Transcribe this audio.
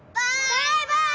バイバーイ。